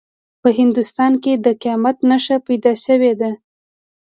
په هندوستان کې د قیامت نښانه پیدا شوې ده.